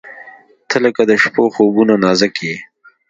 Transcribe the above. • ته لکه د شپو خوبونه نازک یې.